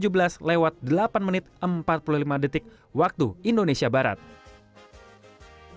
pendaftaran di indonesia barat adalah tujuh belas delapan seribu sembilan ratus empat puluh lima